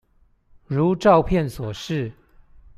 如照片所示